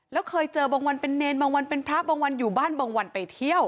แล้วเคยเจอบางวันเป็นเนรบางวันเป็นพระบางวันอยู่บ้านบางวันไปเที่ยว